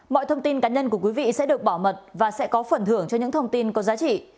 mọi thông tin cá nhân của quý vị sẽ được bảo mật và sẽ có phần thưởng cho những thông tin có giá trị